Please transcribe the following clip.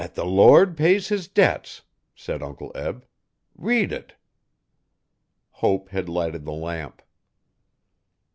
''At the Lord pays His debts,' said Uncle Eb. 'Read it.' Hope had lighted the lamp.